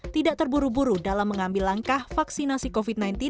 tidak terburu buru dalam mengambil langkah vaksinasi covid sembilan belas